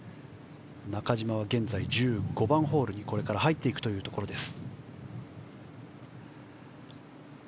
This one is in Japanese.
中島は現在１５番ホールに入っていくところです。